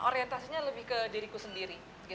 orientasinya lebih ke diriku sendiri